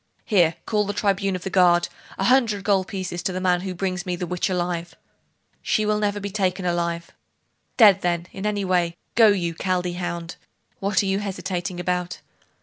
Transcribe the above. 'Here call the tribune of the guard! A hundred gold pieces to the man who brings me the witch alive!' 'She will never be taken alive.' 'Dead, then in any way! Go, you Chaldee hound! what are you hesitating about?